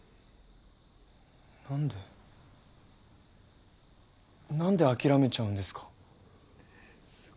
なんでなんで諦めちゃうんですか。